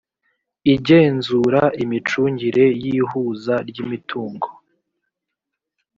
igenzura imicungire y ihuza ry imitungo